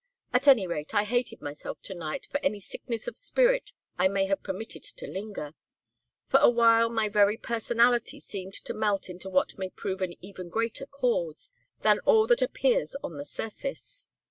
At any rate I hated myself to night for any sickness of spirit I may have permitted to linger for a while my very personality seemed to melt into what may prove an even greater cause than all that appears on the surface.